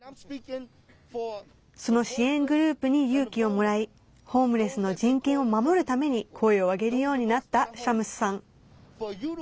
その支援グループに勇気をもらいホームレスの人権を守るために声を上げるようになったシャムスさん。